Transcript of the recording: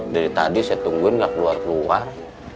dari tadi saya tunggu tidak keluar keluar